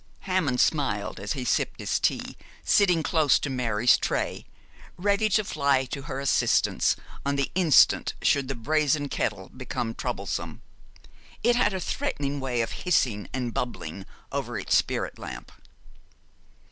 Hammond smiled as he sipped his tea, sitting close to Mary's tray, ready to fly to her assistance on the instant should the brazen kettle become troublesome. It had a threatening way of hissing and bubbling over its spirit lamp.